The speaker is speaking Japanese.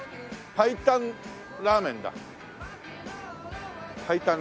白湯ラーメン。